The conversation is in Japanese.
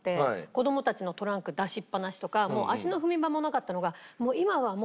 子供たちのトランク出しっぱなしとかもう足の踏み場もなかったのが。